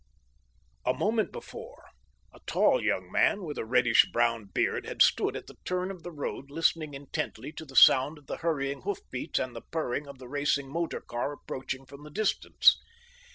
A moment before a tall young man with a reddish brown beard had stood at the turn of the road listening intently to the sound of the hurrying hoof beats and the purring of the racing motor car approaching from the distance.